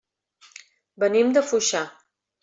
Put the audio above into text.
Venim de Foixà.